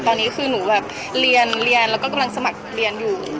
ตอนนี้คือหนูแบบเรียนแล้วก็กำลังสมัครเรียนอยู่